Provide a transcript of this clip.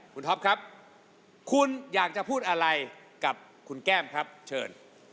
คุณท็อปครับคุณอยากจะพูดอะไรกับคุณแก้มครับเชิญ